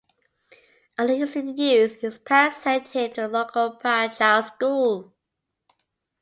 Early in his youth, his parents sent him to a local parochial school.